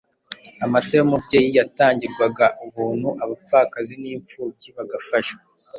amata y'umubyeyi yatangirwaga ubuntu, abapfakazi n'imfubyi bagafashwa.